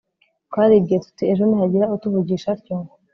twaribwiye tuti 'ejo nihagira utuvugisha atyo